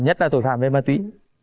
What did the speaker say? nhất là tội phạm về ma túy